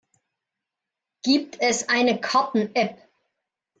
Gibt es eine Karten-App?